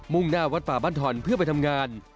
่งหน้าวัดป่าบ้านถ่อนเพื่อไปทำงาน